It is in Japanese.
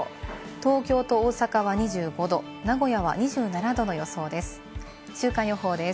東京と大阪は２５度、名古屋は２７度の予想です。